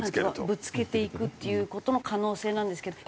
ぶつけていくっていう事の可能性なんですけど。